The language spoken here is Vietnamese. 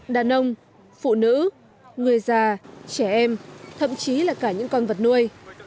đàn ông phụ nữ người già trẻ em thậm chí là cả những con vật nuôi